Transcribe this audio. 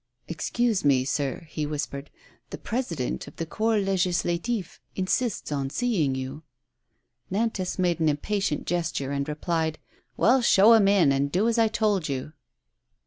"Excuse me, sir," be whispered; "the President of the Corps Legislatif insists on seeing you." Nantas made an impatient gesture and replied: "Well, show him in, and do as I told you."